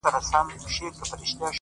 • پوره اته دانې سمعان ويلي كړل ـ